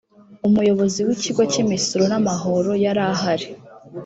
umuyobozi w ikigo cy imisoro n amahoro yarahari